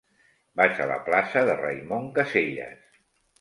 Vaig a la plaça de Raimon Casellas.